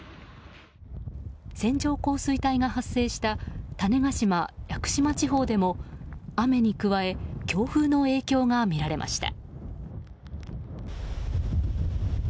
線状降水帯が発生した種子島、屋久島地方でも雨に加え強風の影響が見られました。